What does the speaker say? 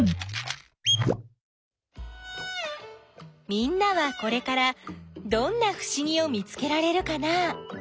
みんなはこれからどんなふしぎを見つけられるかな？